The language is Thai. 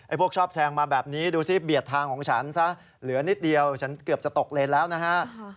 พวกชอบแซงมาแบบนี้ดูสิเบียดทางของฉันซะเหลือนิดเดียวฉันเกือบจะตกเลนแล้วนะฮะ